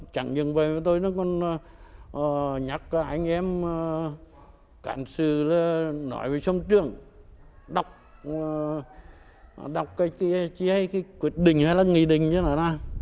chẳng dừng với tôi nữa còn nhắc anh em càng sư nói về song trường đọc cái chí hay cái quyết định hay là nghị định chứ nào đó